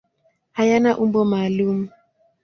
Hayana umbo maalum.